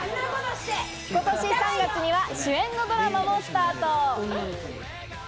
今年３月には主演のドラマもスタート。